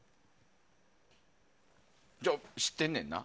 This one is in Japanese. じゃあ、知ってんねんな。